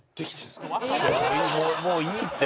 もういいって。